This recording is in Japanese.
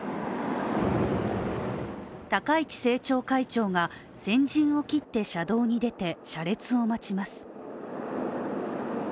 高市政調会長が先陣を切って車両に出て車列を待ちます。